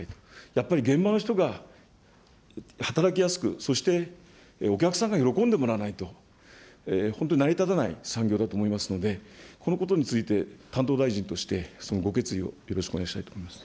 やっぱり現場の人が働きやすく、そしてお客さんが喜んでもらわないと、本当に成り立たない産業だと思いますので、このことについて、担当大臣として、そのご決意をよろしくお願いしたいと思います。